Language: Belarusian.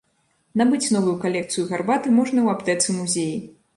Набыць новую калекцыю гарбаты можна ў аптэцы-музеі.